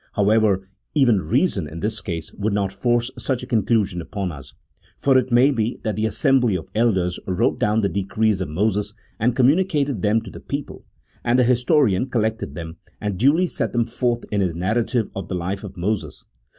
However, even reason in this case would not force such a conclusion upon us : for it may be that the assembly of elders wrote down the decrees of Moses and communicated them to the people, and the historian collected them, and duly set them forth in his narrative of the life of Moses.